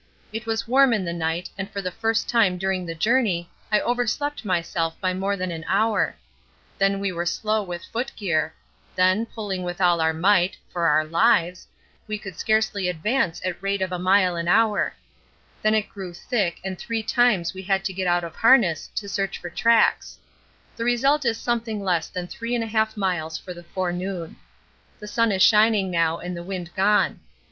It was warm in the night and for the first time during the journey I overslept myself by more than an hour; then we were slow with foot gear; then, pulling with all our might (for our lives) we could scarcely advance at rate of a mile an hour; then it grew thick and three times we had to get out of harness to search for tracks. The result is something less than 3 1/2 miles for the forenoon. The sun is shining now and the wind gone.